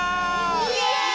イエイ！